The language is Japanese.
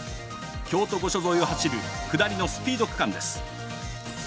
京都御所沿いを走る下りのスピード区間です。